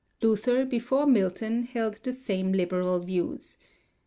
5). Luther, before Milton, held the same liberal views.